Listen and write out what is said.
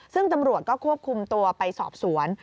ซึ่งตำรวจก็ควบคุมตัวไปสอบสวน